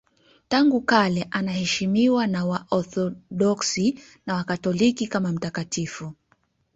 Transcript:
Tangu kale anaheshimiwa na Waorthodoksi na Wakatoliki kama mtakatifu.